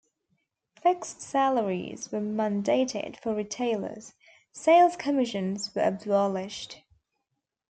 Fixed salaries were mandated for retailers; sales commissions were abolished.